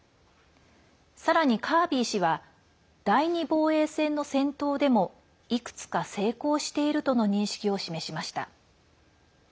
さらにカービー氏は第２防衛線の戦闘でもいくつか成功しているとの認識を示しました。